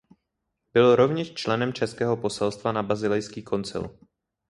Byl rovněž členem českého poselstva na Basilejský koncil.